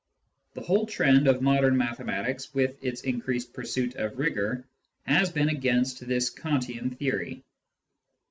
The whole trend of modern mathematics, with its increased pursuit of rigour, has been against this Kantian theory.